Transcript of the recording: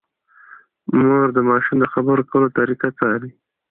مور د ماشوم د خبرو کولو طریقه څاري۔